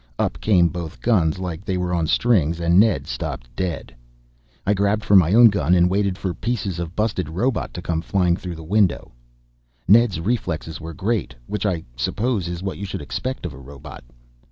Up came both guns like they were on strings and Ned stopped dead. I grabbed for my own gun and waited for pieces of busted robot to come flying through the window. Ned's reflexes were great. Which I suppose is what you should expect of a robot.